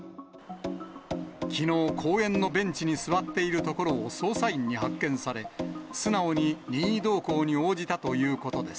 きのう公園のベンチに座っているところを捜査員に発見され、素直に任意同行に応じたということです。